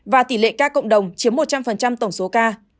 và tỷ lệ ca cộng đồng chiếm một trăm linh tổng số ca